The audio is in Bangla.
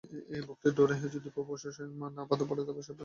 এ ভক্তির ডোরে যদি প্রভু স্বয়ং না বাঁধা পড়েন, তবে সবই মিথ্যা।